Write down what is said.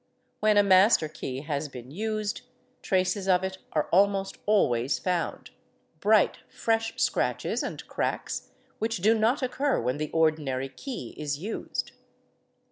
When a master key has been used, traces of it are almost always found, bright fresh scratches and cracks, which do not occur when the ordinary ~ key 9") is used.